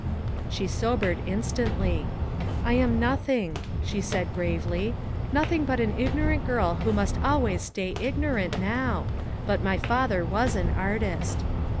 She sobered instantly. "I am nothing," she said gravely. " Nothing but an ignorant girl who must always stay ignorant, now; but my father was an artist."